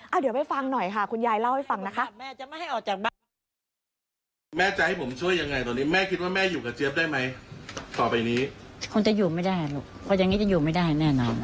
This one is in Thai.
เอาเดี๋ยวไปฟังหน่อยค่ะคุณยายเล่าให้ฟังนะคะ